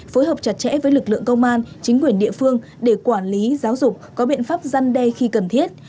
phối hợp chặt chẽ với lực lượng công an chính quyền địa phương để quản lý giáo dục có biện pháp gian đe khi cần thiết